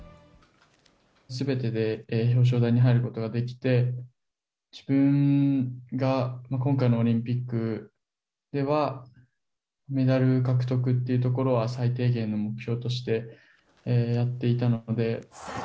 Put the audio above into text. すべてで表彰台に入ることができて、自分が今回のオリンピックでは、メダル獲得っていうところは最低限の目標としてやっていたので。